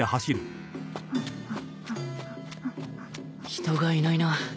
人がいないな。